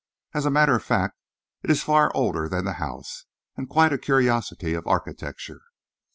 As a matter of fact, it is far older than the house, and quite a curiosity of architecture."